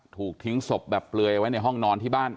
ถูกทิ้งศพแบบเปลือยไว้ในห้องนอนที่บ้าน